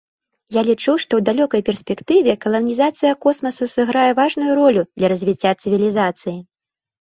Я лічу, што ў далёкай перспектыве каланізацыя космасу сыграе важную ролю для развіцця цывілізацыі.